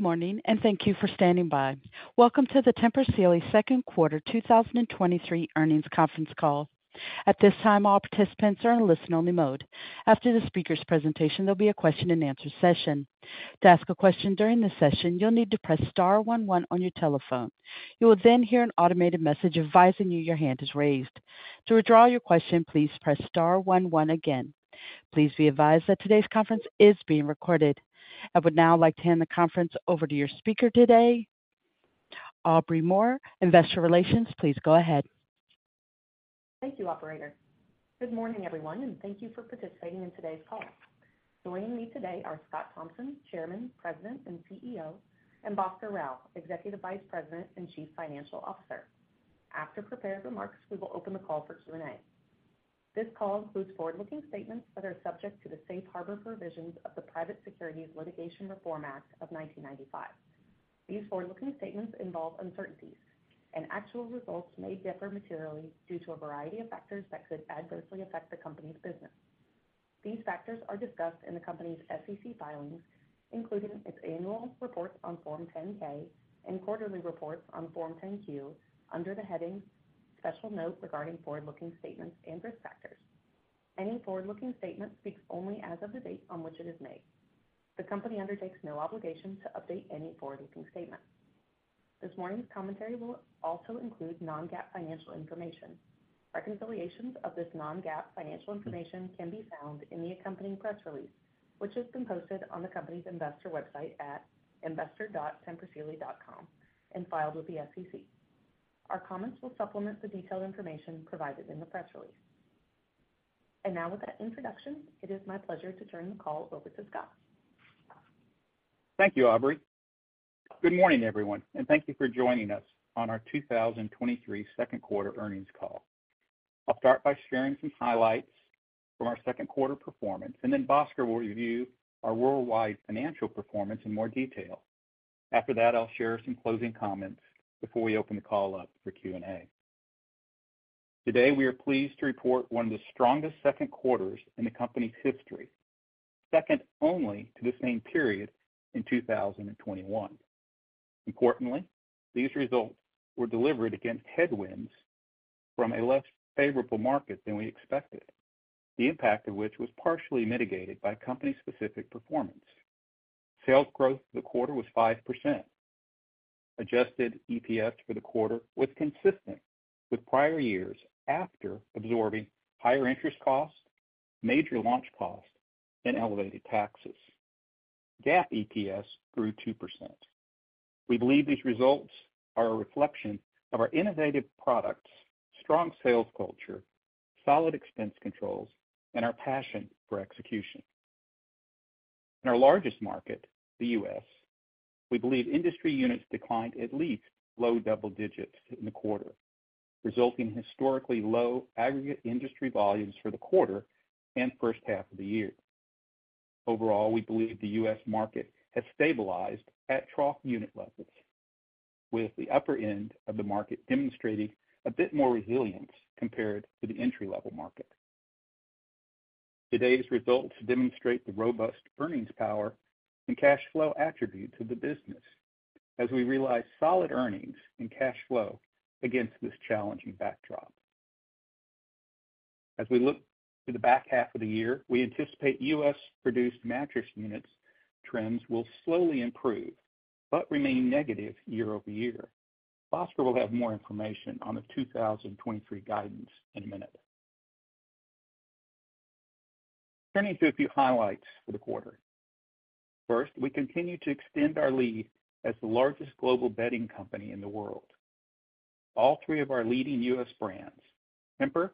Good morning, and thank you for standing by. Welcome to the Tempur Sealy Second Quarter 2023 Earnings Conference Call. At this time, all participants are in listen-only mode. After the speaker's presentation, there'll be a question-and-answer session. To ask a question during the session, you'll need to press star one, one on your telephone. You will then hear an automated message advising you your hand is raised. To withdraw your question, please press star one, one again. Please be advised that today's conference is being recorded. I would now like to hand the conference over to your speaker today, Aubrey Moore, Investor Relations. Please go ahead. Thank you, operator. Good morning, everyone, and thank you for participating in today's call. Joining me today are Scott Thompson, Chairman, President, and CEO, and Bhaskar Rao, Executive Vice President and Chief Financial Officer. After prepared remarks, we will open the call for Q&A. This call includes forward-looking statements that are subject to the safe harbor provisions of the Private Securities Litigation Reform Act of 1995. These forward-looking statements involve uncertainties, and actual results may differ materially due to a variety of factors that could adversely affect the company's business. These factors are discussed in the company's SEC filings, including its annual reports on Form 10-K and quarterly reports on Form 10-Q, under the headings Special Note regarding Forward-Looking Statements and Risk Factors. Any forward-looking statement speaks only as of the date on which it is made. The company undertakes no obligation to update any forward-looking statement. This morning's commentary will also include non-GAAP financial information. Reconciliations of this non-GAAP financial information can be found in the accompanying press release, which has been posted on the company's investor website at investor.tempursealy.com and filed with the SEC. Our comments will supplement the detailed information provided in the press release. Now, with that introduction, it is my pleasure to turn the call over to Scott. Thank you, Aubrey. Good morning, everyone, thank you for joining us on our 2023 Second Quarter Earnings Call. I'll start by sharing some highlights from our second quarter performance, then Bhaskar will review our worldwide financial performance in more detail. After that, I'll share some closing comments before we open the call up for Q&A. Today, we are pleased to report one of the strongest second quarters in the company's history, second only to the same period in 2021. Importantly, these results were delivered against headwinds from a less favorable market than we expected, the impact of which was partially mitigated by company-specific performance. Sales growth for the quarter was 5%. Adjusted EPS for the quarter was consistent with prior years after absorbing higher interest costs, major launch costs, and elevated taxes. GAAP EPS grew 2%. We believe these results are a reflection of our innovative products, strong sales culture, solid expense controls, and our passion for execution. In our largest market, the US, we believe industry units declined at least low double digits in the quarter, resulting in historically low aggregate industry volumes for the quarter and first half of the year. Overall, we believe the US market has stabilized at trough unit levels, with the upper end of the market demonstrating a bit more resilience compared to the entry-level market. Today's results demonstrate the robust earnings power and cash flow attribute to the business as we realize solid earnings and cash flow against this challenging backdrop. As we look to the back half of the year, we anticipate US-produced mattress units trends will slowly improve but remain negative year-over-year. Bhaskar will have more information on the 2023 guidance in a minute. Turning to a few highlights for the quarter. First, we continue to extend our lead as the largest global bedding company in the world. All three of our leading U.S. brands, Tempur,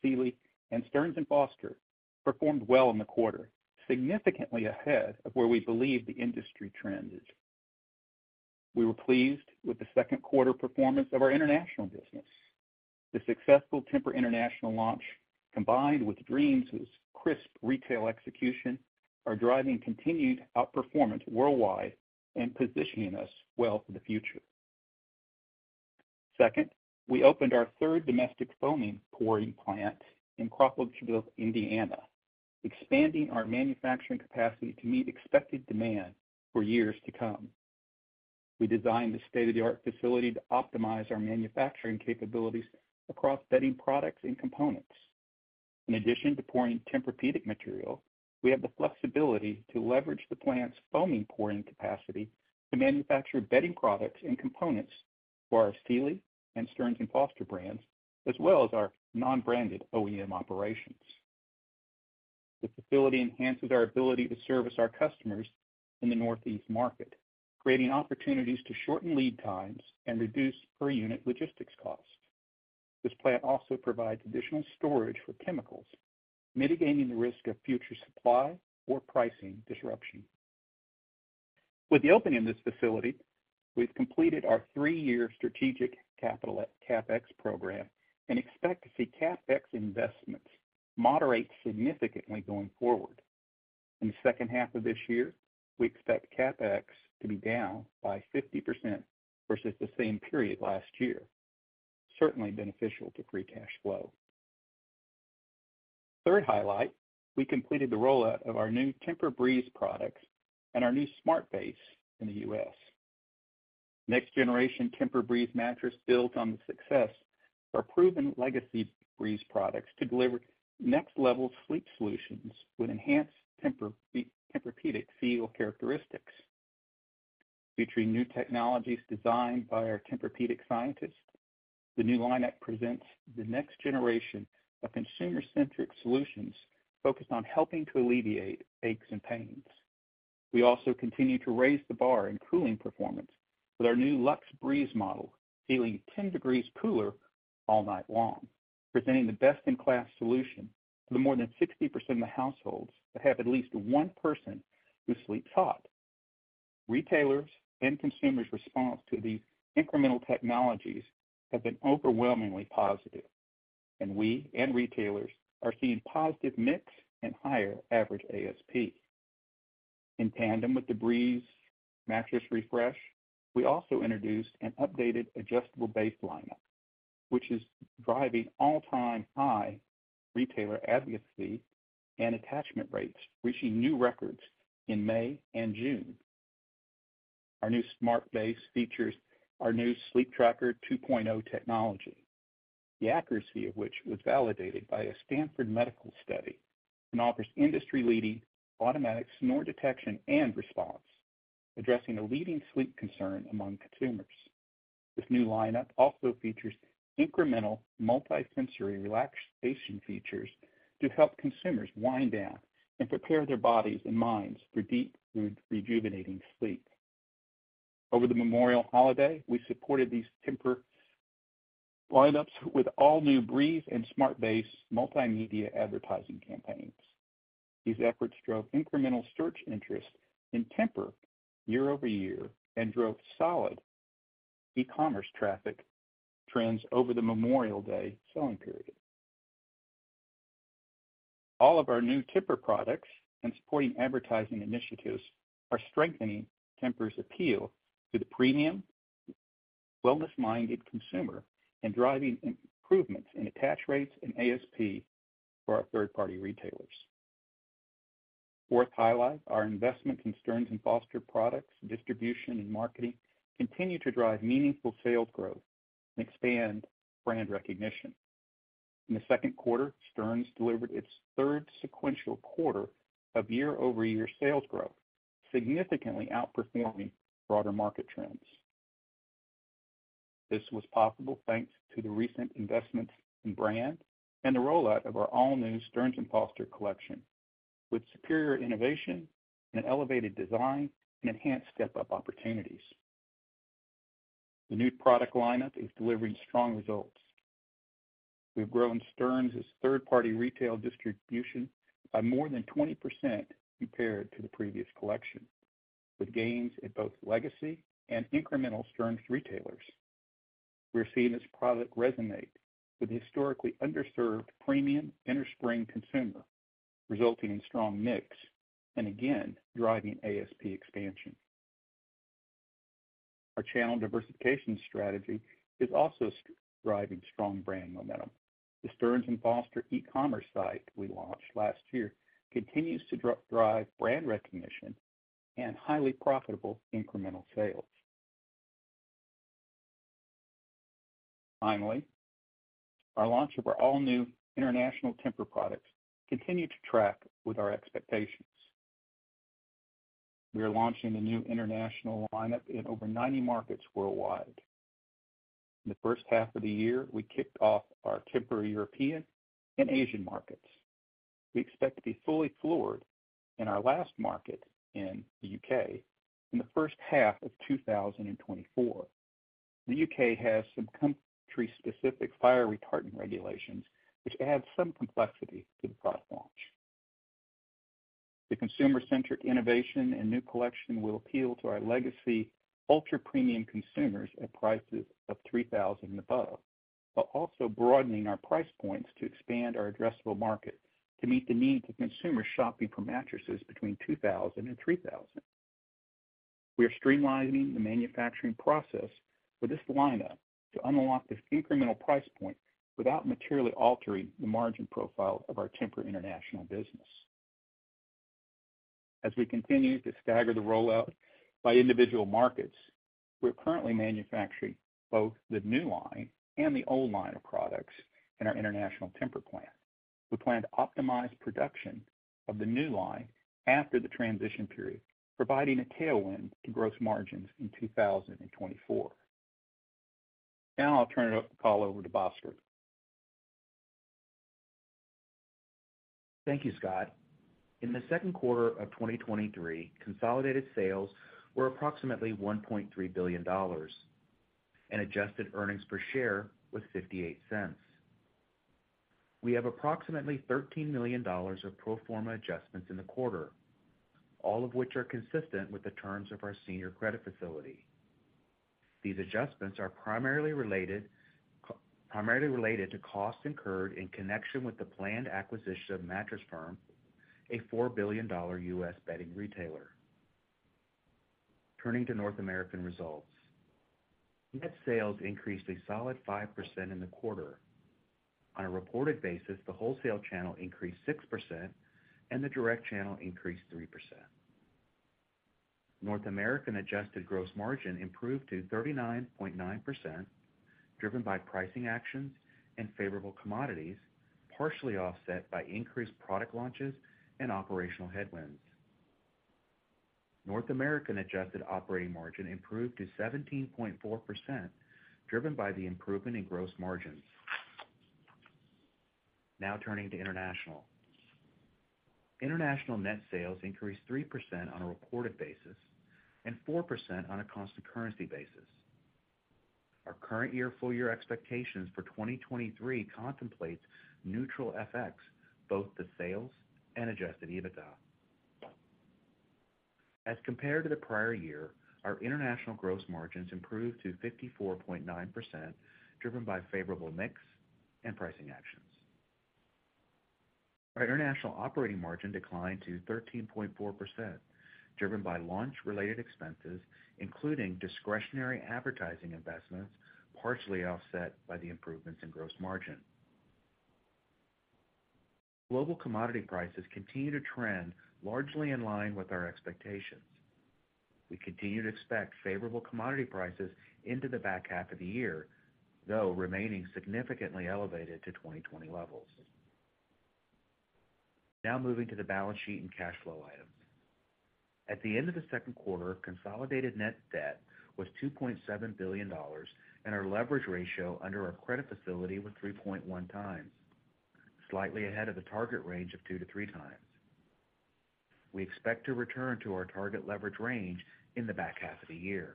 Sealy, and Stearns & Foster, performed well in the quarter, significantly ahead of where we believe the industry trend is. We were pleased with the second quarter performance of our international business. The successful Tempur International launch, combined with Dreams' crisp retail execution, are driving continued outperformance worldwide and positioning us well for the future. Second, we opened our third domestic foaming pouring plant in Crawfordsville, Indiana, expanding our manufacturing capacity to meet expected demand for years to come. We designed this state-of-the-art facility to optimize our manufacturing capabilities across bedding products and components. In addition to pouring Tempur-Pedic material, we have the flexibility to leverage the plant's foaming pouring capacity to manufacture bedding products and components for our Sealy and Stearns and Foster brands, as well as our non-branded OEM operations. This facility enhances our ability to service our customers in the Northeast market, creating opportunities to shorten lead times and reduce per-unit logistics costs. This plant also provides additional storage for chemicals, mitigating the risk of future supply or pricing disruption. With the opening of this facility, we've completed our three-year strategic capital CapEx program and expect to see CapEx investments moderate significantly going forward. In the second half of this year, we expect CapEx to be down by 50% versus the same period last year, certainly beneficial to free cash flow. Third highlight, we completed the rollout of our new TEMPUR-Breeze products and our new smart base in the US. Next generation TEMPUR-Breeze mattress builds on the success of our proven legacy Breeze products to deliver next level sleep solutions with enhanced Tempur-Pedic feel characteristics. Featuring new technologies designed by our Tempur-Pedic scientists, the new lineup presents the next generation of consumer-centric solutions focused on helping to alleviate aches and pains. We also continue to raise the bar in cooling performance with our new TEMPUR-LuxeBreeze model, feeling 10 degrees cooler all night long, presenting the best-in-class solution for the more than 60% of the households that have at least one person who sleeps hot. Retailers and consumers' response to the incremental technologies have been overwhelmingly positive. We and retailers are seeing positive mix and higher average ASP. In tandem with the Breeze mattress refresh, we also introduced an updated adjustable base lineup, which is driving all-time high retailer advocacy and attachment rates, reaching new records in May and June. Our new smart base features our new Sleeptracker-AI 2.0 technology, the accuracy of which was validated by a Stanford medical study and offers industry-leading automatic snore detection and response, addressing a leading sleep concern among consumers. This new lineup also features incremental multi-sensory relaxation features to help consumers wind down and prepare their bodies and minds for deep, rejuvenating sleep. Over the Memorial holiday, we supported these Tempur lineups with all new Breeze and smart base multimedia advertising campaigns. These efforts drove incremental search interest in Tempur year-over-year and drove solid e-commerce traffic trends over the Memorial Day selling period. All of our new Tempur products and supporting advertising initiatives are strengthening Tempur's appeal to the premium, wellness-minded consumer and driving improvements in attach rates and ASP for our third-party retailers. Fourth highlight, our investment in Stearns & Foster products, distribution, and marketing continue to drive meaningful sales growth and expand brand recognition. In the second quarter, Stearns delivered its third sequential quarter of year-over-year sales growth, significantly outperforming broader market trends. This was possible thanks to the recent investments in brand and the rollout of our all-new Stearns & Foster collection, with superior innovation and elevated design and enhanced step-up opportunities. The new product lineup is delivering strong results. We've grown Stearns' third-party retail distribution by more than 20% compared to the previous collection, with gains in both legacy and incremental Stearns retailers. We're seeing this product resonate with the historically underserved premium innerspring consumer, resulting in strong mix and again, driving ASP expansion. Our channel diversification strategy is also driving strong brand momentum. The Stearns & Foster e-commerce site we launched last year continues to drive brand recognition and highly profitable incremental sales. Finally, our launch of our all-new international Tempur products continue to track with our expectations. We are launching the new international lineup in over 90 markets worldwide. In the first half of the year, we kicked off our Tempur European and Asian markets. We expect to be fully floored in our last market in the UK in the first half of 2024. The UK has some country-specific fire retardant regulations, which add some complexity to the product launch. The consumer-centric innovation and new collection will appeal to our legacy ultra-premium consumers at prices of $3,000 and above, while also broadening our price points to expand our addressable market to meet the needs of consumers shopping for mattresses between $2,000 and $3,000. We are streamlining the manufacturing process for this lineup to unlock this incremental price point without materially altering the margin profile of our Tempur International business. As we continue to stagger the rollout by individual markets, we're currently manufacturing both the new line and the old line of products in our international Tempur plant. We plan to optimize production of the new line after the transition period, providing a tailwind to gross margins in 2024. I'll turn it up the call over to Bhaskar Rao. Thank you, Scott. In the second quarter of 2023, consolidated sales were approximately $1.3 billion, and adjusted earnings per share was $0.58. We have approximately $13 million of pro forma adjustments in the quarter, all of which are consistent with the terms of our senior credit facility. These adjustments are primarily related, primarily related to costs incurred in connection with the planned acquisition of Mattress Firm, a $4 billion U.S. bedding retailer. Turning to North American results. Net sales increased a solid 5% in the quarter. On a reported basis, the wholesale channel increased 6%, and the direct channel increased 3%. North American adjusted gross margin improved to 39.9%, driven by pricing actions and favorable commodities, partially offset by increased product launches and operational headwinds. North American adjusted operating margin improved to 17.4%, driven by the improvement in gross margins. Turning to international. International net sales increased 3% on a reported basis and 4% on a constant currency basis. Our current year full year expectations for 2023 contemplates neutral FX, both the sales and adjusted EBITDA. As compared to the prior year, our international gross margins improved to 54.9%, driven by favorable mix and pricing actions. Our international operating margin declined to 13.4%, driven by launch-related expenses, including discretionary advertising investments, partially offset by the improvements in gross margin. Global commodity prices continue to trend largely in line with our expectations. We continue to expect favorable commodity prices into the back half of the year, though remaining significantly elevated to 2020 levels. Now moving to the balance sheet and cash flow items. At the end of the second quarter, consolidated net debt was $2.7 billion, and our leverage ratio under our credit facility was 3.1x, slightly ahead of the target range of 2x-3x. We expect to return to our target leverage range in the back half of the year.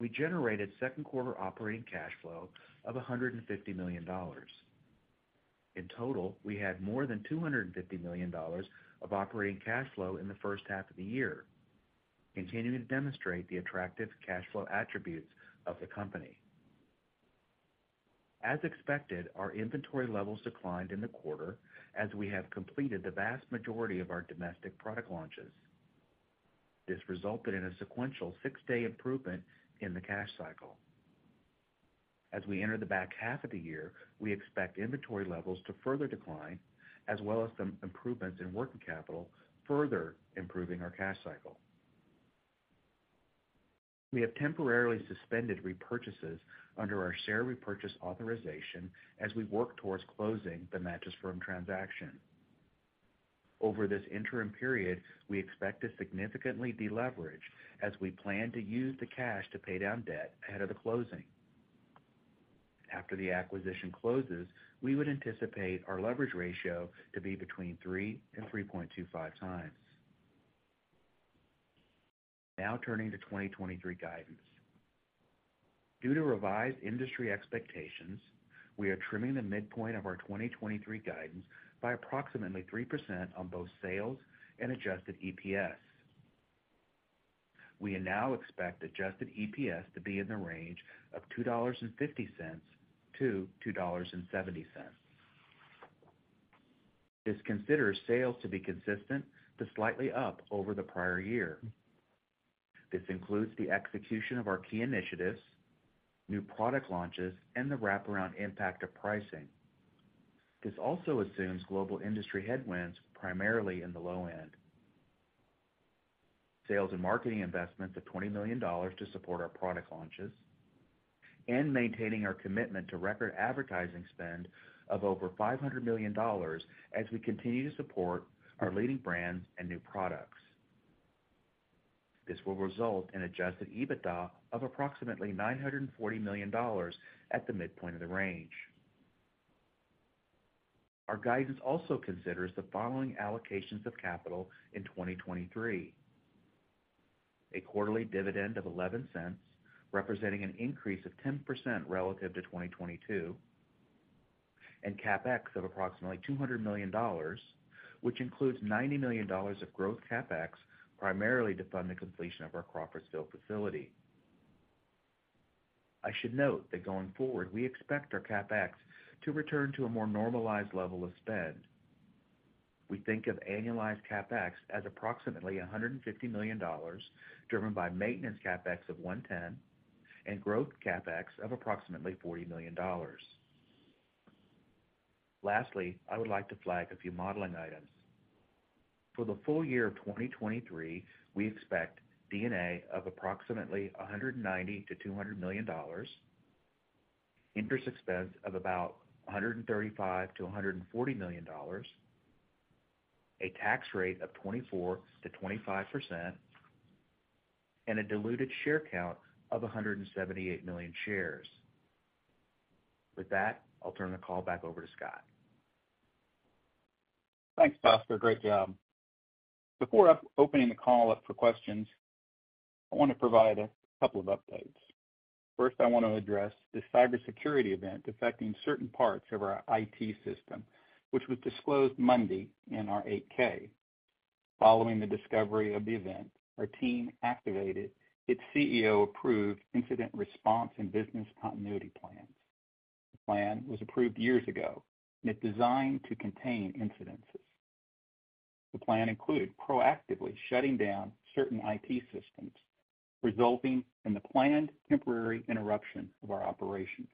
We generated second quarter operating cash flow of $150 million. In total, we had more than $250 million of operating cash flow in the first half of the year, continuing to demonstrate the attractive cash flow attributes of the company. As expected, our inventory levels declined in the quarter as we have completed the vast majority of our domestic product launches. This resulted in a sequential 6-day improvement in the cash cycle. As we enter the back half of the year, we expect inventory levels to further decline, as well as some improvements in working capital, further improving our cash cycle. We have temporarily suspended repurchases under our share repurchase authorization as we work towards closing the Mattress Firm transaction. Over this interim period, we expect to significantly deleverage as we plan to use the cash to pay down debt ahead of the closing. After the acquisition closes, we would anticipate our leverage ratio to be between 3x and 3.25x. Turning to 2023 guidance. Due to revised industry expectations, we are trimming the midpoint of our 2023 guidance by approximately 3% on both sales and adjusted EPS. We now expect adjusted EPS to be in the range of $2.50 to $2.70. This considers sales to be consistent to slightly up over the prior year. This includes the execution of our key initiatives, new product launches, and the wraparound impact of pricing. This also assumes global industry headwinds, primarily in the low end, sales and marketing investments of $20 million to support our product launches, and maintaining our commitment to record advertising spend of over $500 million as we continue to support our leading brands and new products. This will result in adjusted EBITDA of approximately $940 million at the midpoint of the range. Our guidance also considers the following allocations of capital in 2023: A quarterly dividend of $0.11, representing an increase of 10% relative to 2022, and CapEx of approximately $200 million, which includes $90 million of growth CapEx, primarily to fund the completion of our Crawfordsville facility. I should note that going forward, we expect our CapEx to return to a more normalized level of spend. We think of annualized CapEx as approximately $150 million, driven by maintenance CapEx of $110 million, and growth CapEx of approximately $40 million. Lastly, I would like to flag a few modeling items. For the full year of 2023, we expect D&A of approximately $190 million-$200 million, interest expense of about $135 million-$140 million, a tax rate of 24%-25%, and a diluted share count of 178 million shares. With that, I'll turn the call back over to Scott. Thanks, Bhaskar. Great job. Before opening the call up for questions, I want to provide a couple of updates. First, I want to address the cybersecurity event affecting certain parts of our IT system, which was disclosed Monday in our 8-K. Following the discovery of the event, our team activated its CEO-approved Incident Response and Business Continuity Plan. the plan was approved years ago, and it's designed to contain incidences. The plan included proactively shutting down certain IT systems, resulting in the planned temporary interruption of our operations.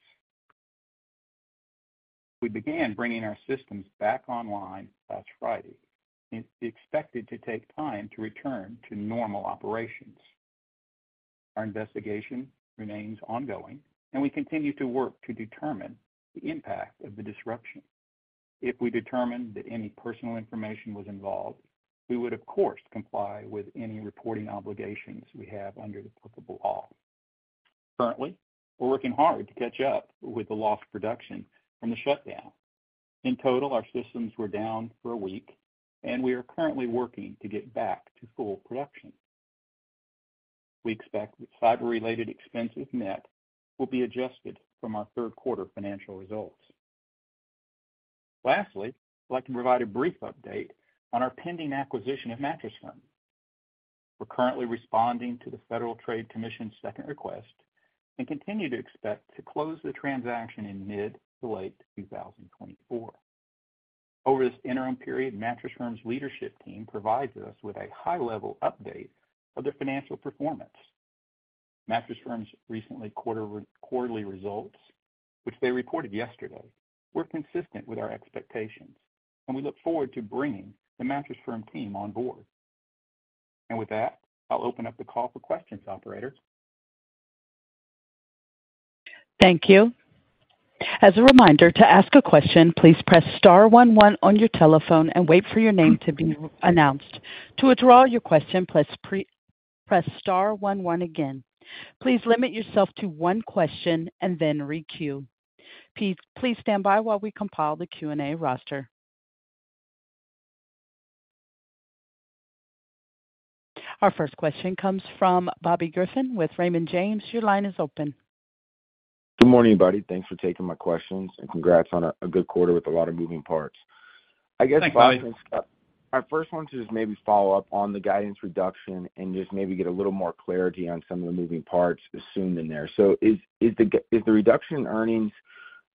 We began bringing our systems back online last Friday, and it's expected to take time to return to normal operations. Our investigation remains ongoing, and we continue to work to determine the impact of the disruption. If we determine that any personal information was involved, we would of course, comply with any reporting obligations we have under the applicable law. Currently, we're working hard to catch up with the lost production from the shutdown. In total, our systems were down for a week, and we are currently working to get back to full production. We expect that cyber-related expenses net will be adjusted from our third quarter financial results. Lastly, I'd like to provide a brief update on our pending acquisition of Mattress Firm. We're currently responding to the Federal Trade Commission's second request and continue to expect to close the transaction in mid to late 2024. Over this interim period, Mattress Firm's leadership team provides us with a high-level update of their financial performance. Mattress Firm's quarterly results, which they reported yesterday, were consistent with our expectations, and we look forward to bringing the Mattress Firm team on board. With that, I'll open up the call for questions, operator. Thank you. As a reminder, to ask a question, please press star one one on your telephone and wait for your name to be announced. To withdraw your question, press star one one again. Please limit yourself to one question and then re-queue. Please stand by while we compile the Q&A roster. Our first question comes from Bobby Griffin with Raymond James. Your line is open. Good morning, everybody. Thanks for taking my questions. Congrats on a good quarter with a lot of moving parts. Thanks, Bobby. I guess, my first one is to maybe follow up on the guidance reduction and just maybe get a little more clarity on some of the moving parts assumed in there. Is the reduction in earnings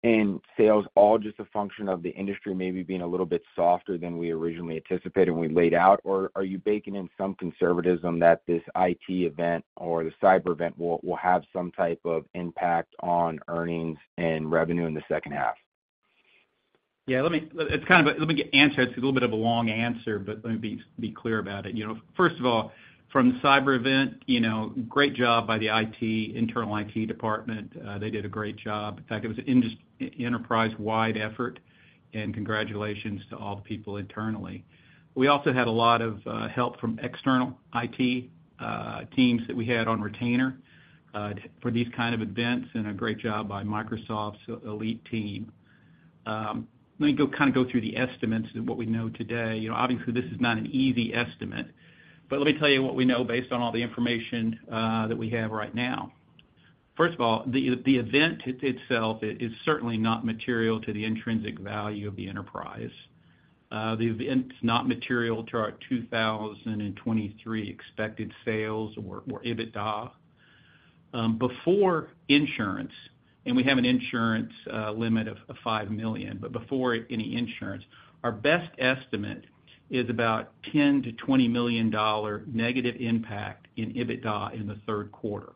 and sales all just a function of the industry maybe being a little bit softer than we originally anticipated when we laid out, or are you baking in some conservatism that this IT event or the cyber event will, will have some type of impact on earnings and revenue in the second half? Yeah, let me, it's kind of, let me answer. It's a little bit of a long answer, but let me be, be clear about it. You know, first of all, from the cyber event, you know, great job by the IT, internal IT department. They did a great job. In fact, it was an enterprise-wide effort, and congratulations to all the people internally. We also had a lot of help from external IT teams that we had on retainer for these kind of events, and a great job by Microsoft's elite team. Let me go, kind of go through the estimates of what we know today. You know, obviously, this is not an easy estimate, but let me tell you what we know based on all the information that we have right now. First of all, the event itself is certainly not material to the intrinsic value of the enterprise. The event's not material to our 2023 expected sales or EBITDA. Before insurance, and we have an insurance limit of $5 million, but before any insurance, our best estimate is about $10 million-$20 million negative impact in EBITDA in the third quarter.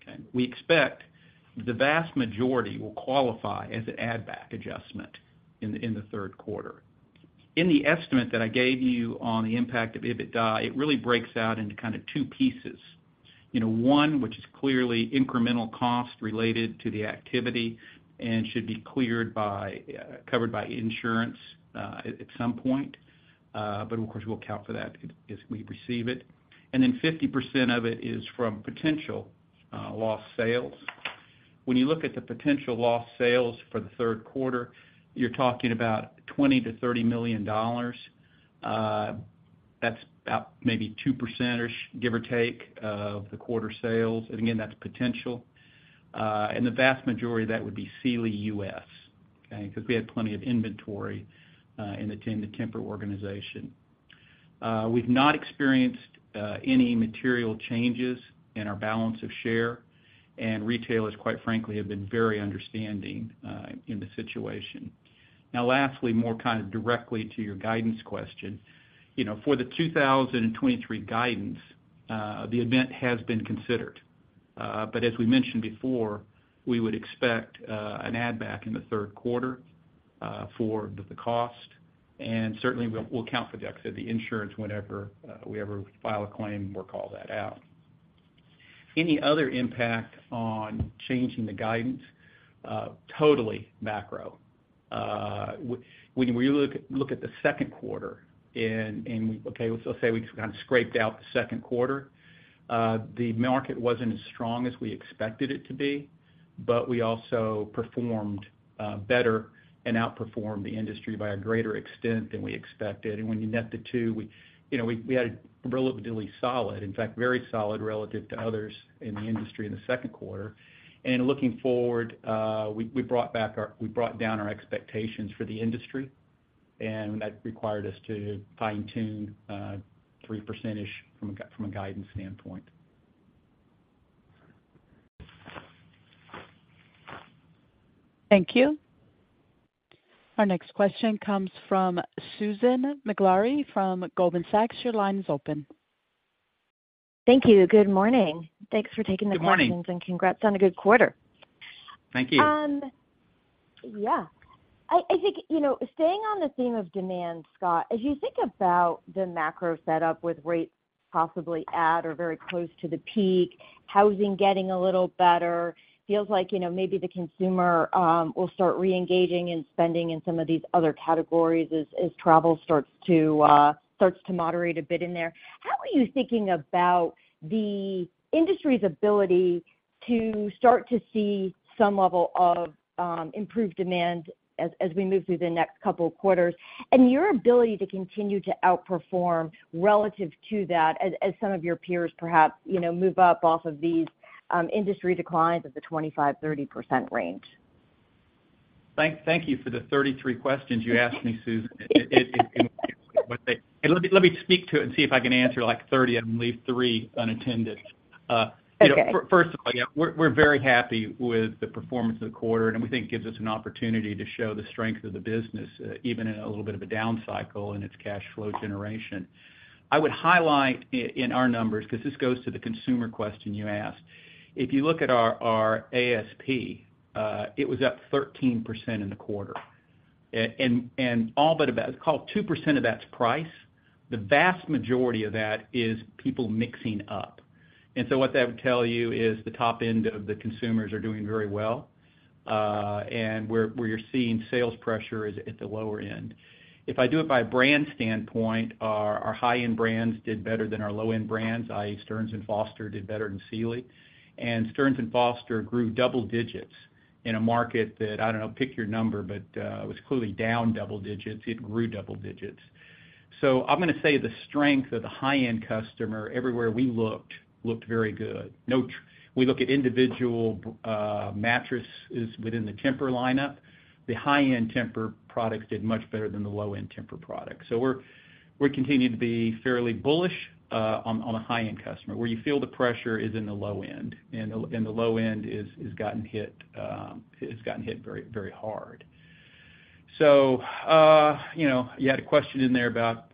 Okay, we expect the vast majority will qualify as an add-back adjustment in the third quarter. In the estimate that I gave you on the impact of EBITDA, it really breaks out into kind of two pieces. You know, one, which is clearly incremental cost related to the activity and should be cleared by covered by insurance at some point, but of course, we'll account for that if we receive it. Then 50% of it is from potential lost sales. When you look at the potential lost sales for the third quarter, you're talking about $20 million-$30 million. That's about maybe 2%-ish, give or take, of the quarter sales. Again, that's potential. And the vast majority of that would be Sealy US, okay? Because we had plenty of inventory in the Tempur organization. We've not experienced any material changes in our balance of share, and retailers, quite frankly, have been very understanding in the situation. Lastly, more kind of directly to your guidance question. You know, for the 2023 guidance, the event has been considered. As we mentioned before, we would expect an add back in the third quarter for the cost, and certainly we'll, we'll account for the insurance whenever we ever file a claim, we'll call that out. Any other impact on changing the guidance, totally macro. When we look, look at the second quarter and, and okay, let's say we just kind of scraped out the second quarter. The market wasn't as strong as we expected it to be, but we also performed better and outperformed the industry by a greater extent than we expected. When you net the two, we, you know, we, we had a relatively solid, in fact, very solid relative to others in the industry in the second quarter. Looking forward, we, we brought down our expectations for the industry, and that required us to fine-tune, 3%-ish from a, from a guidance standpoint. Thank you. Our next question comes from Susan Maklari from Goldman Sachs. Your line is open. Thank you. Good morning. Thanks for taking the questions. Good morning. Congrats on a good quarter. Thank you. Yeah, I, I think, you know, staying on the theme of demand, Scott, as you think about the macro setup with rates possibly at or very close to the peak, housing getting a little better, feels like, you know, maybe the consumer will start reengaging in spending in some of these other categories as, as travel starts to moderate a bit in there. How are you thinking about the industry's ability to start to see some level of improved demand as, as we move through the next couple of quarters, and your ability to continue to outperform relative to that as, as some of your peers perhaps, you know, move up off of these industry declines of the 25%-30% range? Thank you for the 33 questions you asked me, Susan. Let me speak to it and see if I can answer, like, 30 and leave three unattended. Okay. you know, first of all, yeah, we're, we're very happy with the performance of the quarter, and we think it gives us an opportunity to show the strength of the business, even in a little bit of a down cycle and its cash flow generation. I would highlight in, in our numbers, because this goes to the consumer question you asked, if you look at our, our ASP, it was up 13% in the quarter. All but about... call it 2% of that's price. The vast majority of that is people mixing up. What that would tell you is the top end of the consumers are doing very well, and where, where you're seeing sales pressure is at the lower end. If I do it by a brand standpoint, our, our high-end brands did better than our low-end brands, i.e., Stearns & Foster did better than Sealy. Stearns & Foster grew double digits in a market that, I don't know, pick your number, but was clearly down double digits. It grew double digits. I'm gonna say the strength of the high-end customer, everywhere we looked, looked very good. No, we look at individual mattresses within the Tempur lineup. The high-end Tempur products did much better than the low-end Tempur products. We're, we're continuing to be fairly bullish on, on the high-end customer. Where you feel the pressure is in the low end, and the, and the low end is, has gotten hit, has gotten hit very, very hard. You know, you had a question in there about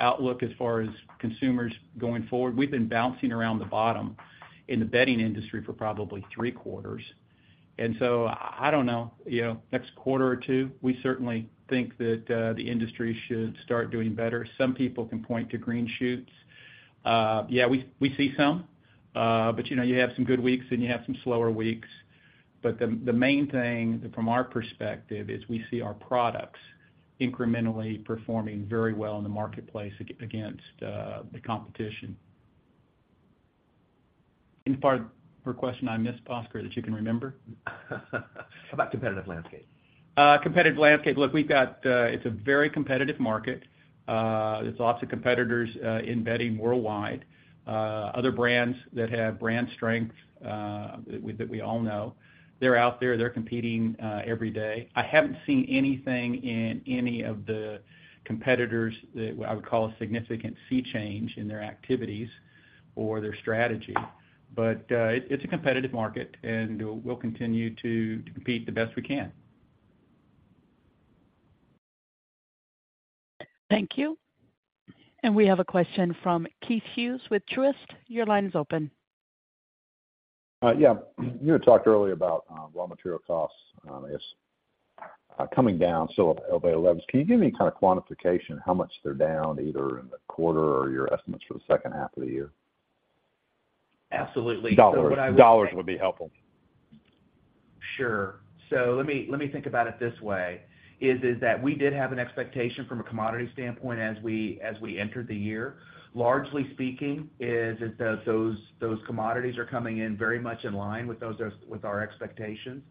outlook as far as consumers going forward. We've been bouncing around the bottom in the bedding industry for probably 3 quarters. I don't know, you know, next quarter or two, we certainly think that the industry should start doing better. Some people can point to green shoots. Yeah, we, we see some, you know, you have some good weeks, and you have some slower weeks. The, the main thing from our perspective is we see our products incrementally performing very well in the marketplace against the competition. Any part of her question I missed, Bhaskar, that you can remember? How about competitive landscape? Competitive landscape. Look, we've got, it's a very competitive market. There's lots of competitors in bedding worldwide. Other brands that have brand strength that we, that we all know. They're out there, they're competing every day. I haven't seen anything in any of the competitors that I would call a significant sea change in their activities or their strategy, but it's a competitive market, and we'll continue to, to compete the best we can. Thank you. We have a question from Keith Hughes with Truist. Your line is open. Yeah, you had talked earlier about raw material costs as coming down, still at available levels. Can you give me kind of quantification, how much they're down, either in the quarter or your estimates for the second half of the year? Absolutely. Dollars. What I would say... Dollars would be helpful. Sure. Let me, let me think about it this way, that we did have an expectation from a commodity standpoint as we, as we entered the year. Largely speaking, those, those commodities are coming in very much in line with those, with our expectations.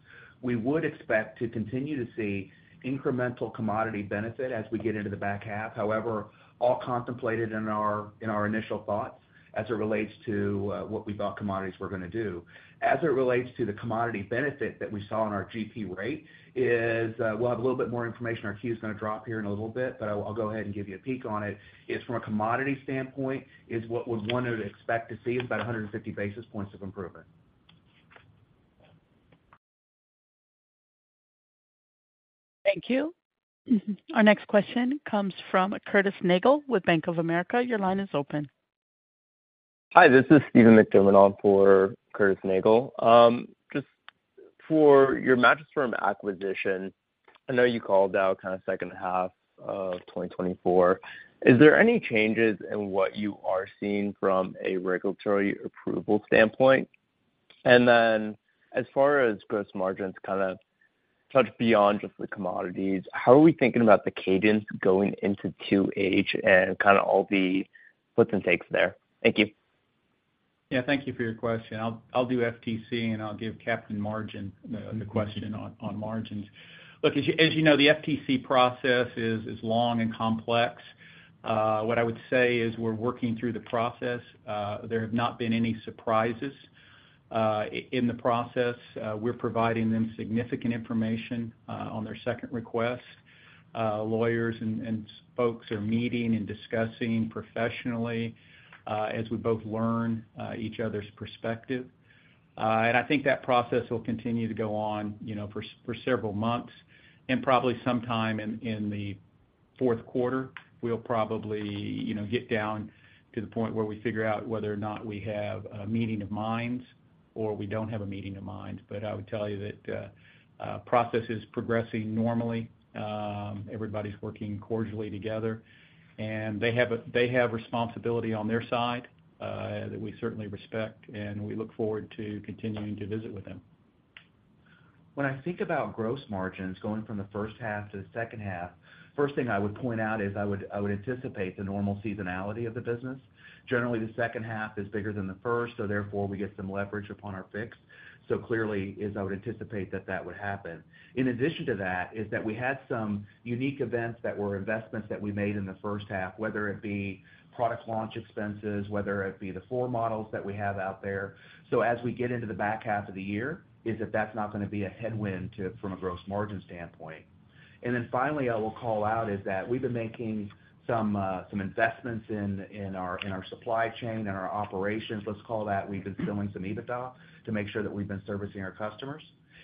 We would expect to continue to see incremental commodity benefit as we get into the back half. However, all contemplated in our, in our initial thoughts as it relates to what we thought commodities were gonna do. As it relates to the commodity benefit that we saw in our GP rate, we'll have a little bit more information. Our queue is gonna drop here in a little bit, but I'll, I'll go ahead and give you a peek on it, is from a commodity standpoint, is what we've wanted to expect to see is about 150 basis points of improvement. Thank you. Our next question comes from Curtis Nagle with Bank of America. Your line is open. Hi, this is Steven McDermott for Curtis Nagle. Just for your Mattress Firm acquisition, I know you called out kind of second half of 2024. Is there any changes in what you are seeing from a regulatory approval standpoint? Then, as far as gross margins, kind of touch beyond just the commodities, how are we thinking about the cadence going into 2H and kind of all the puts and takes there? Thank you. Yeah, thank you for your question. I'll, I'll do FTC, and I'll give Captain Margin the question on, on margins. Look, as you, as you know, the FTC process is, is long and complex. What I would say is we're working through the process. There have not been any surprises in the process, we're providing them significant information on their second request. Lawyers and, and folks are meeting and discussing professionally, as we both learn, each other's perspective. And I think that process will continue to go on, you know, for several months, and probably sometime in, in the fourth quarter, we'll probably, you know, get down to the point where we figure out whether or not we have a meeting of minds or we don't have a meeting of minds. I would tell you that, process is progressing normally. Everybody's working cordially together, and they have they have responsibility on their side, that we certainly respect, and we look forward to continuing to visit with them. When I think about gross margins going from the first half to the second half, first thing I would point out is I would, I would anticipate the normal seasonality of the business. Generally, the second half is bigger than the first, therefore, we get some leverage upon our fixed. Clearly, is I would anticipate that that would happen. In addition to that, is that we had some unique events that were investments that we made in the first half, whether it be product launch expenses, whether it be the floor models that we have out there. As we get into the back half of the year, is that that's not gonna be a headwind to, from a gross margin standpoint. Finally, I will call out, is that we've been making some investments in, in our, in our supply chain, in our operations. Let's call that we've been filling some EBITDA to make sure that we've been servicing our customers.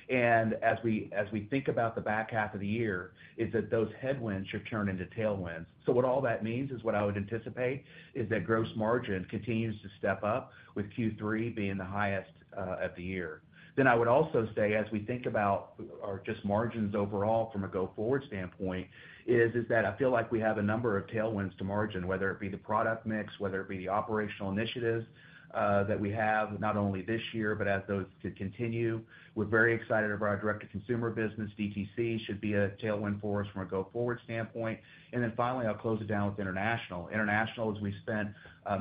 As we, as we think about the back half of the year, is that those headwinds should turn into tailwinds. What all that means is what I would anticipate is that gross margin continues to step up, with Q3 being the highest of the year. I would also say, as we think about or just margins overall from a go-forward standpoint, is, is that I feel like we have a number of tailwinds to margin, whether it be the product mix, whether it be the operational initiatives, that we have, not only this year, but as those to continue. We're very excited about our direct-to-consumer business. DTC should be a tailwind for us from a go-forward standpoint. Then finally, I'll close it down with international. International, as we spent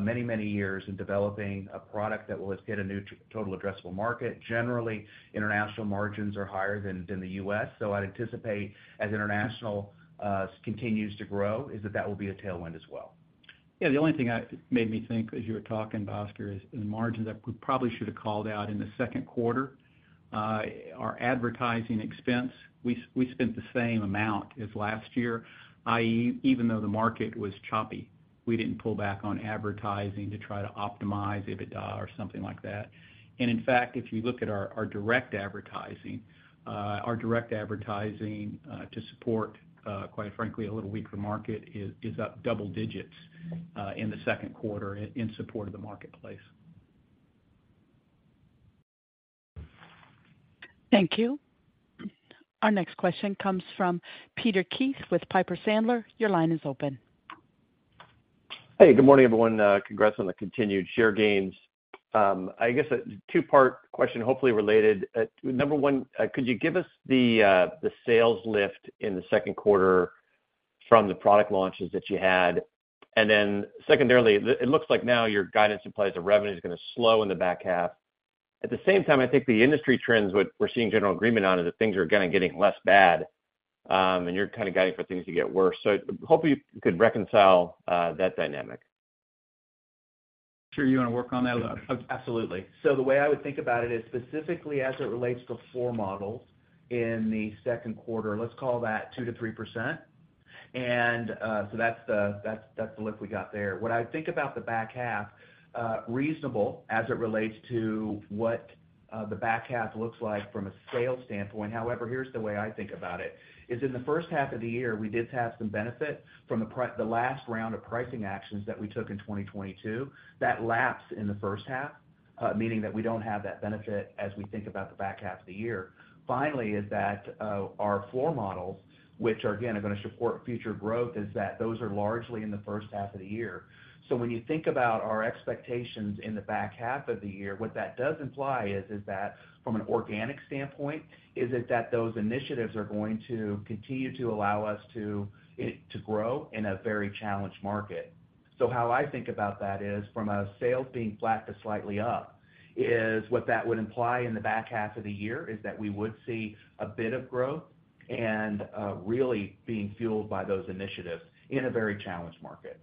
many, many years in developing a product that will let's get a new total addressable market. Generally, international margins are higher than, than the US, so I'd anticipate as international continues to grow, is that that will be a tailwind as well. Yeah, the only thing made me think as you were talking, Bhaskar, is in margins, that we probably should have called out in the second quarter, our advertising expense. We, we spent the same amount as last year, i.e., even though the market was choppy, we didn't pull back on advertising to try to optimize EBITDA or something like that. In fact, if you look at our, our direct advertising, our direct advertising, to support, quite frankly, a little weaker market is, is up double digits, in the second quarter in, in support of the marketplace. Thank you. Our next question comes from Peter Keith with Piper Sandler. Your line is open. Hey, good morning, everyone. Congrats on the continued share gains. I guess a two-part question, hopefully related. Number one, could you give us the sales lift in the second quarter from the product launches that you had? Then secondarily, it looks like now your guidance implies the revenue is gonna slow in the back half. At the same time, I think the industry trends, what we're seeing general agreement on, is that things are kind of getting less bad, and you're kind of guiding for things to get worse. Hopefully, you could reconcile that dynamic. Sure you want to work on that, Bhaskar? Absolutely. The way I would think about it is, specifically as it relates to floor models in the second quarter, let's call that 2%-3%. That's the, that's, that's the lift we got there. What I think about the back half, reasonable as it relates to what the back half looks like from a sales standpoint. However, here's the way I think about it, is in the first half of the year, we did have some benefit from the the last round of pricing actions that we took in 2022. That lapsed in the first half, meaning that we don't have that benefit as we think about the back half of the year. Finally, is that our floor models, which again, are gonna support future growth, is that those are largely in the first half of the year. When you think about our expectations in the back half of the year, what that does imply is, is that from an organic standpoint, is it that those initiatives are going to continue to allow us to grow in a very challenged market. How I think about that is, from a sales being flat to slightly up, is what that would imply in the back half of the year, is that we would see a bit of growth and really being fueled by those initiatives in a very challenged market.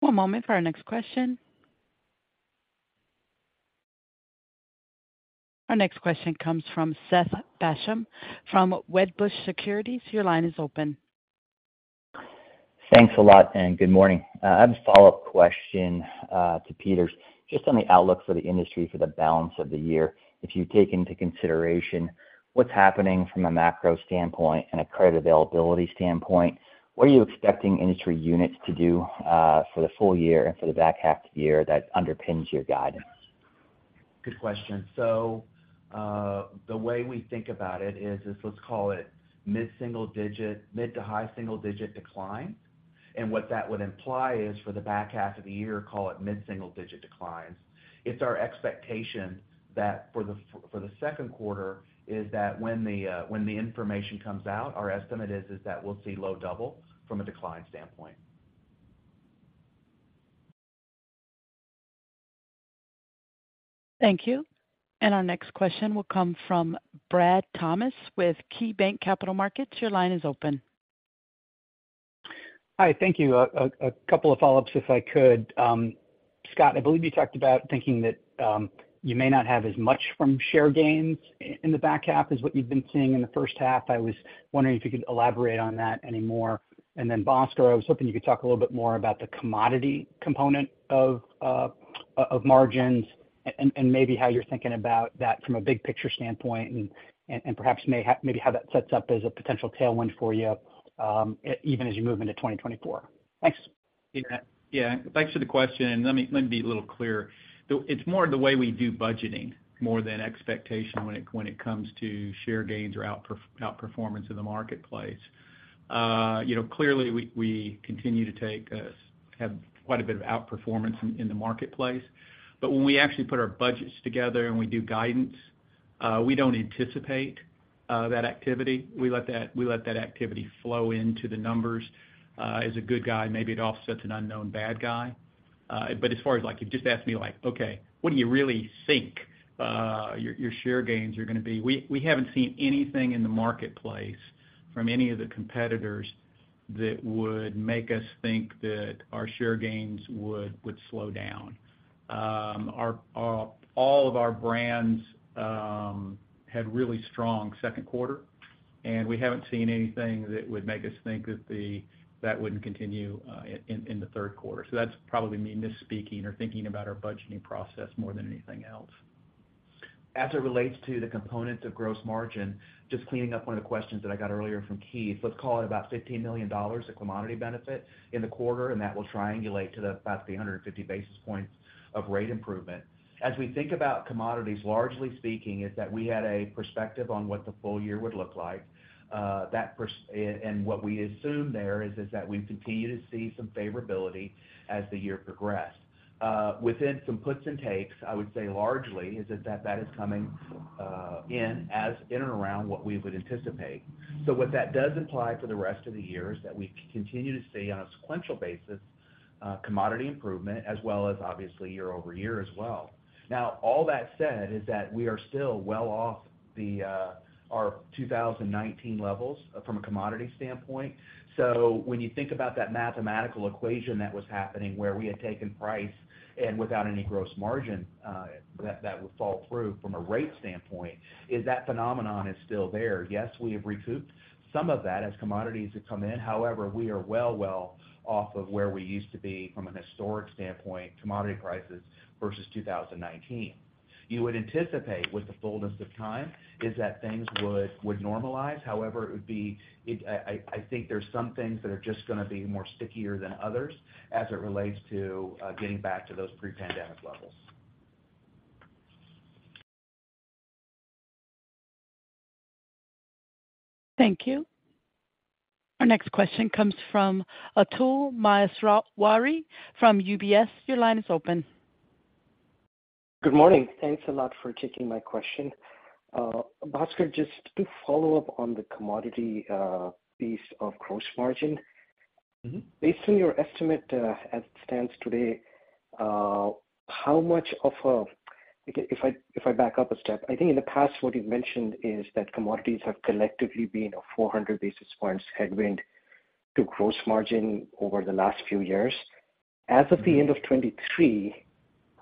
One moment for our next question. Our next question comes from Seth Basham from Wedbush Securities. Your line is open. Thanks a lot, and good morning. I have a follow-up question, to Peter's, just on the outlook for the industry for the balance of the year. If you take into consideration what's happening from a macro standpoint and a credit availability standpoint, what are you expecting industry units to do, for the full year and for the back half of the year that underpins your guidance? Good question. The way we think about it is, let's call it mid-single-digit, mid- to high-single-digit decline. What that would imply is for the back half of the year, call it mid-single-digit declines. It's our expectation that for the second quarter, is that when the information comes out, our estimate is that we'll see low double from a decline standpoint. Thank you. Our next question will come from Brad Thomas with KeyBanc Capital Markets. Your line is open. Hi, thank you. A couple of follow-ups, if I could. Scott, I believe you talked about thinking that you may not have as much from share gains in the back half as what you've been seeing in the first half. I was wondering if you could elaborate on that any more. Then, Bhaskar, I was hoping you could talk a little bit more about the commodity component of margins and maybe how you're thinking about that from a big picture standpoint, and perhaps maybe how that sets up as a potential tailwind for you even as you move into 2024. Thanks. Yeah. Yeah, thanks for the question. Let me, let me be a little clearer. It's more the way we do budgeting, more than expectation when it, when it comes to share gains or outperformance in the marketplace. You know, clearly, we, we continue to take, have quite a bit of outperformance in, in the marketplace. When we actually put our budgets together and we do guidance, we don't anticipate that activity. We let that, we let that activity flow into the numbers. As a good guy, maybe it offsets an unknown bad guy. As far as, like, you've just asked me like, "Okay, what do you really think, your, your share gains are gonna be?" We, we haven't seen anything in the marketplace from any of the competitors that would make us think that our share gains would, would slow down. Our, all of our brands, had really strong second quarter, and we haven't seen anything that would make us think that wouldn't continue, in, in the third quarter. That's probably me misspeaking or thinking about our budgeting process more than anything else. As it relates to the components of gross margin, just cleaning up one of the questions that I got earlier from Keith Hughes, let's call it about $15 million, the commodity benefit in the quarter, and that will triangulate to the about 350 basis points of rate improvement. As we think about commodities, largely speaking, is that we had a perspective on what the full year would look like. What we assume there is that we continue to see some favorability as the year progressed. Within some puts and takes, I would say largely, that is coming in and around what we would anticipate. What that does imply for the rest of the year is that we continue to see, on a sequential basis, commodity improvement, as well as obviously year-over-year as well. All that said, we are still well off the, our 2019 levels from a commodity standpoint. When you think about that mathematical equation that was happening, where we had taken price and without any gross margin, that, that would fall through from a rate standpoint, that phenomenon is still there. We have recouped some of that as commodities have come in. We are well, well off of where we used to be from a historic standpoint, commodity prices versus 2019. You would anticipate, with the fullness of time, things would, would normalize. It would be... I think there's some things that are just gonna be more stickier than others as it relates to getting back to those pre-pandemic levels. Thank you. Our next question comes from Atul Maheswari from UBS. Your line is open. Good morning. Thanks a lot for taking my question. Bhaskar, just to follow up on the commodity, piece of gross margin. Mm-hmm. Based on your estimate, as it stands today, how much of a- If I, if I back up a step, I think in the past, what you've mentioned is that commodities have collectively been a 400 basis points headwind to gross margin over the last few years. As of the end of 2023,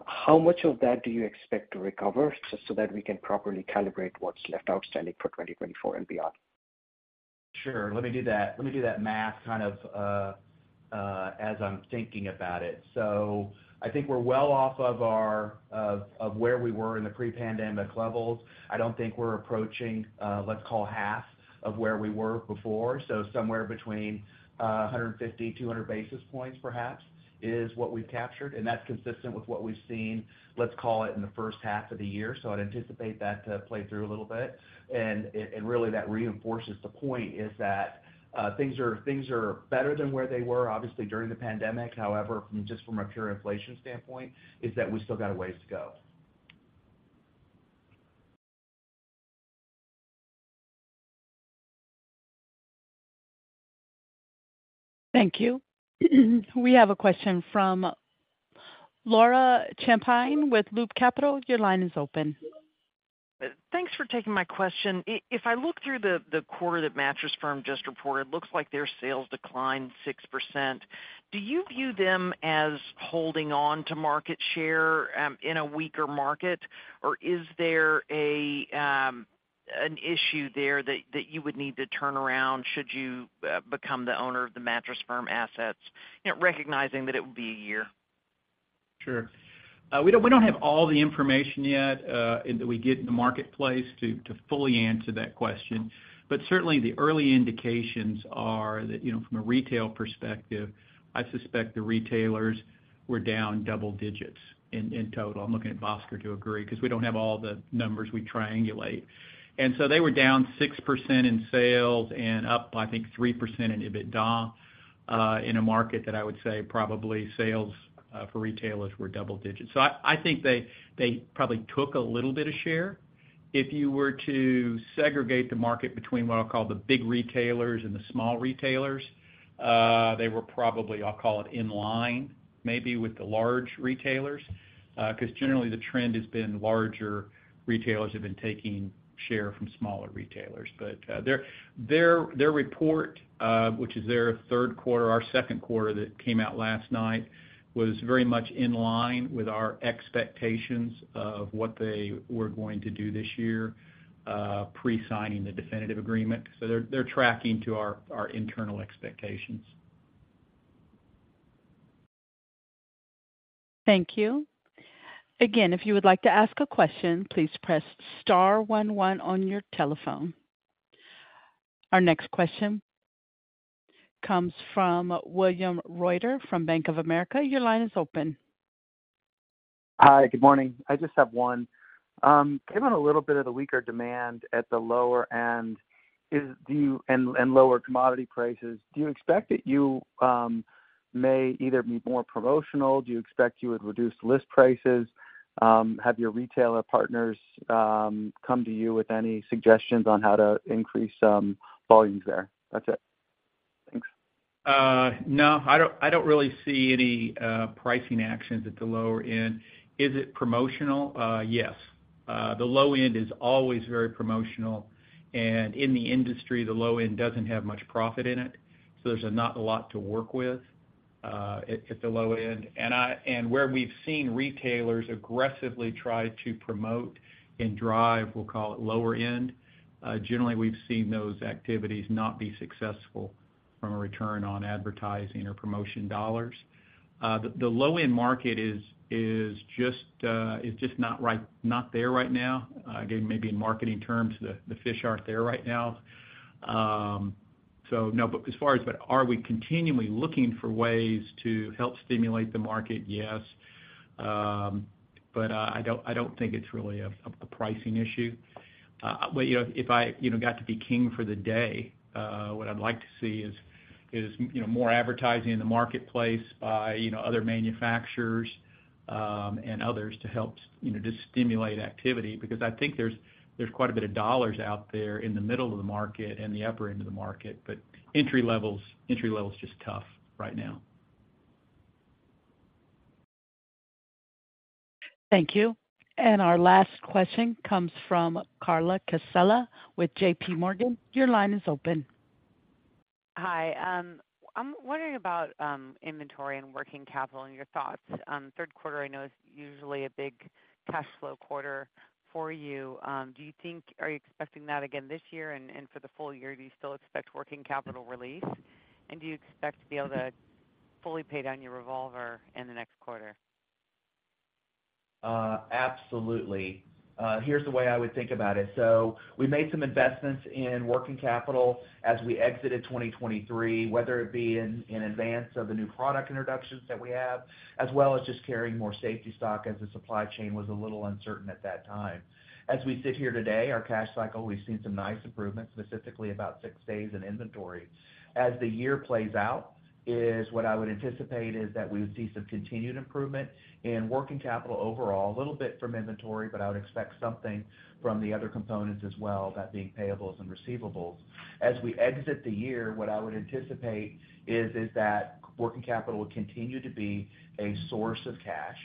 how much of that do you expect to recover, just so that we can properly calibrate what's left outstanding for 2024 and beyond? Sure. Let me do that. Let me do that math kind of, as I'm thinking about it. I think we're well off of our, of, of where we were in the pre-pandemic levels. I don't think we're approaching, let's call, half of where we were before. Somewhere between 150-200 basis points, perhaps, is what we've captured, and that's consistent with what we've seen, let's call it, in the first half of the year. I'd anticipate that to play through a little bit. Really that reinforces the point, is that, things are, things are better than where they were, obviously, during the pandemic. However, from just from a pure inflation standpoint, is that we still got a ways to go. Thank you. We have a question from Laura Champine with Loop Capital. Your line is open. Thanks for taking my question. If I look through the quarter that Mattress Firm just reported, it looks like their sales declined 6%. Do you view them as holding on to market share in a weaker market, or is there an issue there that you would need to turn around should you become the owner of the Mattress Firm assets? You know, recognizing that it would be a year. Sure. We don't, we don't have all the information yet, and that we get in the marketplace to, to fully answer that question. Certainly, the early indications are that, you know, from a retail perspective, I suspect the retailers were down double digits in, in total. I'm looking at Bhaskar to agree, 'cause we don't have all the numbers, we triangulate. So they were down 6% in sales and up, I think, 3% in EBITDA, in a market that I would say probably sales for retailers were double digits. I, I think they, they probably took a little bit of share. If you were to segregate the market between what I'll call the big retailers and the small retailers, they were probably, I'll call it, in line, maybe with the large retailers, because generally the trend has been larger retailers have been taking share from smaller retailers. Their, their report, which is their third quarter, our second quarter that came out last night, was very much in line with our expectations of what they were going to do this year, pre-signing the definitive agreement. They're, they're tracking to our, our internal expectations. Thank you. Again, if you would like to ask a question, please press star one, one on your telephone. Our next question comes from William Reuter from Bank of America. Your line is open. Hi, good morning. I just have one. Given a little bit of the weaker demand at the lower end, and, and lower commodity prices, do you expect that you may either be more promotional? Do you expect you would reduce list prices? Have your retailer partners come to you with any suggestions on how to increase volumes there? That's it. Thanks. No, I don't, I don't really see any pricing actions at the lower end. Is it promotional? Yes. The low end is always very promotional, and in the industry, the low end doesn't have much profit in it, so there's not a lot to work with at the low end. Where we've seen retailers aggressively try to promote and drive, we'll call it lower end, generally we've seen those activities not be successful from a return on advertising or promotion dollars. The, the low-end market is, is just, is just not right, not there right now. Again, maybe in marketing terms, the, the fish aren't there right now. No. As far as, are we continually looking for ways to help stimulate the market? Yes, I don't, I don't think it's really a, a pricing issue. You know, if I, you know, got to be king for the day, what I'd like to see is, is, you know, more advertising in the marketplace by, you know, other manufacturers, and others to help, you know, just stimulate activity. I think there's, there's quite a bit of dollars out there in the middle of the market and the upper end of the market, but entry level is, entry level is just tough right now. Thank you. Our last question comes from Carla Casella with JPMorgan. Your line is open. Hi, I'm wondering about inventory and working capital and your thoughts. Third quarter I know is usually a big cash flow quarter for you. Are you expecting that again this year and for the full year, do you still expect working capital release? Do you expect to be able to fully pay down your revolver in the next quarter? Absolutely. Here's the way I would think about it. We made some investments in working capital as we exited 2023, whether it be in, in advance of the new product introductions that we have, as well as just carrying more safety stock as the supply chain was a little uncertain at that time. As we sit here today, our cash cycle, we've seen some nice improvements, specifically about six days in inventory. As the year plays out, is what I would anticipate is that we would see some continued improvement in working capital overall, a little bit from inventory, but I would expect something from the other components as well, that being payables and receivables. As we exit the year, what I would anticipate is, is that working capital will continue to be a source of cash.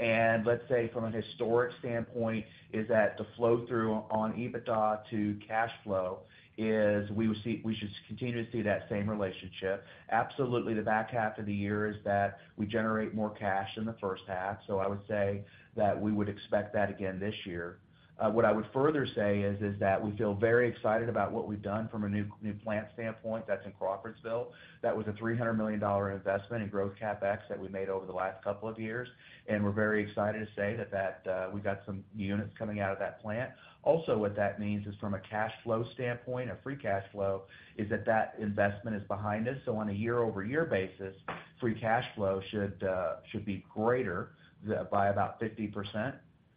Let's say, from a historic standpoint, is that the flow-through on EBITDA to cash flow is we should continue to see that same relationship. Absolutely, the back half of the year is that we generate more cash in the first half, so I would say that we would expect that again this year. What I would further say is, is that we feel very excited about what we've done from a new, new plant standpoint. That's in Crawfordsville. That was a $300 million investment in growth CapEx that we made over the last couple of years, and we're very excited to say that, that, we've got some units coming out of that plant. What that means is from a cash flow standpoint, a free cash flow, is that that investment is behind us. On a year-over-year basis, free cash flow should, should be greater by about 50%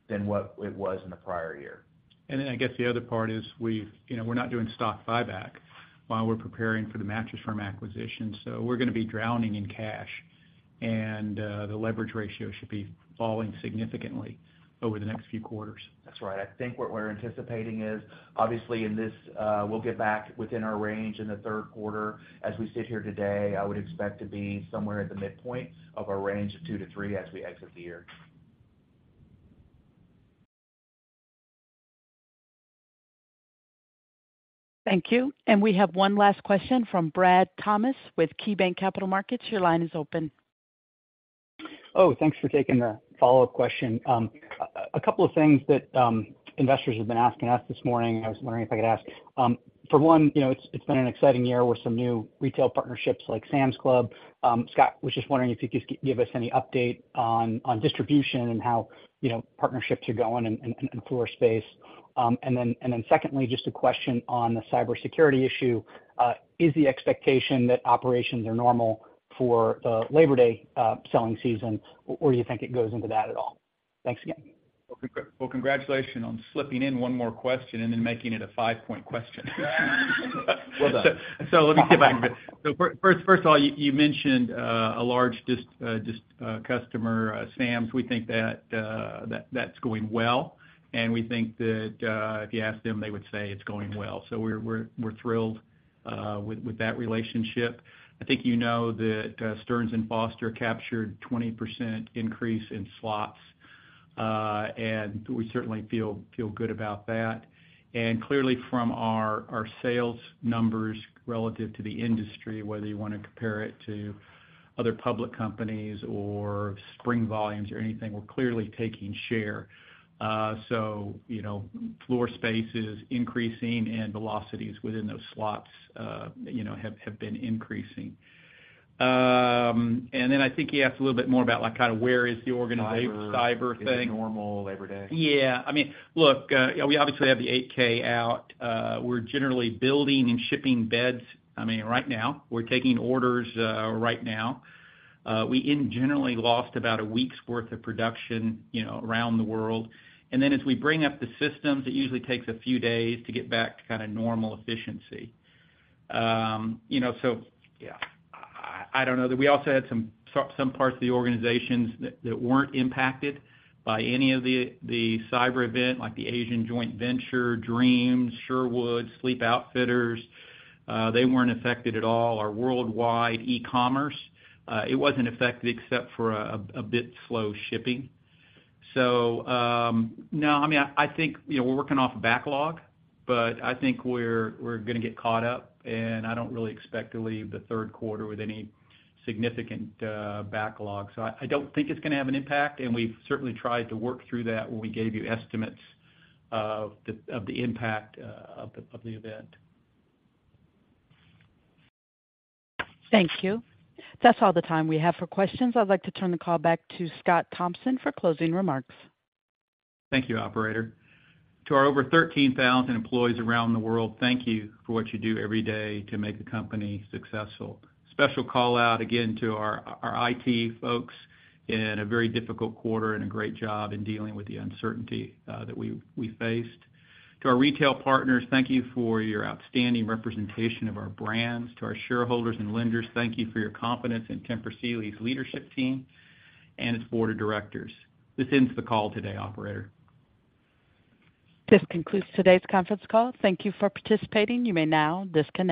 than what it was in the prior year. Then I guess the other part is we've, you know, we're not doing stock buyback while we're preparing for the Mattress Firm acquisition, so we're gonna be drowning in cash, and the leverage ratio should be falling significantly over the next few quarters. That's right. I think what we're anticipating is, obviously, in this, we'll get back within our range in the third quarter. As we sit here today, I would expect to be somewhere at the midpoint of our range of two-three as we exit the year. Thank you. We have one last question from Brad Thomas with KeyBanc Capital Markets. Your line is open. Oh, thanks for taking the follow-up question. A, a couple of things that investors have been asking us this morning, I was wondering if I could ask. For one, you know, it's, it's been an exciting year with some new retail partnerships like Sam's Club. Scott, was just wondering if you could just give us any update on, on distribution and how, you know, partnerships are going in, in, in floor space? Then, and then secondly, just a question on the cybersecurity issue. Is the expectation that operations are normal for the Labor Day selling season, or you think it goes into that at all? Thanks again. Well, well, congratulations on slipping in one more question and then making it a five-point question. Well done. Let me get back to that. First, first of all, you, you mentioned a large customer, Sam's. We think that, that, that's going well, and we think that, if you ask them, they would say it's going well. We're, we're, we're thrilled with, with that relationship. I think you know that Stearns & Foster captured 20% increase in slots, and we certainly feel, feel good about that. Clearly, from our, our sales numbers relative to the industry, whether you wanna compare it to other public companies or spring volumes or anything, we're clearly taking share. You know, floor space is increasing and velocities within those slots, you know, have, have been increasing. Then I think you asked a little bit more about, like, kind of where is the organ-. Cyber. Cyber thing. Is it normal Labor Day? Yeah. I mean, look, we obviously have the 8-K out. We're generally building and shipping beds. I mean, right now, we're taking orders, right now. We in generally lost about a week's worth of production, you know, around the world. Then as we bring up the systems, it usually takes a few days to get back to kinda normal efficiency. You know, so yeah, I, I don't know, that we also had some, some parts of the organizations that, that weren't impacted by any of the, the cyber event, like the Asian Joint Venture, Dreams, Sherwood, Sleep Outfitters, they weren't affected at all. Our worldwide e-commerce, it wasn't affected, except for a, a bit slow shipping. No, I mean, I, I think, you know, we're working off backlog, but I think we're, we're gonna get caught up, and I don't really expect to leave the third quarter with any significant backlog. I, I don't think it's gonna have an impact, and we've certainly tried to work through that when we gave you estimates of the, of the impact of the, of the event. Thank you. That's all the time we have for questions. I'd like to turn the call back to Scott Thompson for closing remarks. Thank you, operator. To our over 13,000 employees around the world, thank you for what you do every day to make the company successful. Special call out again to our, our IT folks in a very difficult quarter and a great job in dealing with the uncertainty that we, we faced. To our retail partners, thank you for your outstanding representation of our brands. To our shareholders and lenders, thank you for your confidence in Tempur Sealy's leadership team and its board of directors. This ends the call today, operator. This concludes today's conference call. Thank you for participating. You may now disconnect.